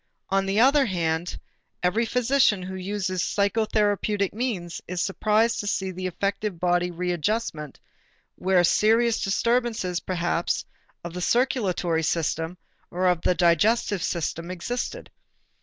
On the other hand, every physician who uses psychotherapeutic means is surprised to see the effective bodily readjustment where serious disturbances perhaps of the circulatory system or the digestive system existed.